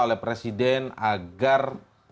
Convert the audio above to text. oleh presiden agar